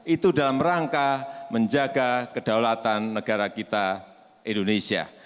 itu dalam rangka menjaga kedaulatan negara kita indonesia